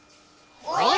おい！